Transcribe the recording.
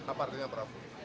apa artinya pak